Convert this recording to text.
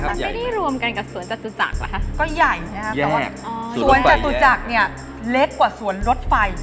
มันไม่ได้รวมกันกับสวนจตุจักรเหรอคะก็ใหญ่นะครับแต่ว่าสวนจตุจักรเนี่ยเล็กกว่าสวนรถไฟ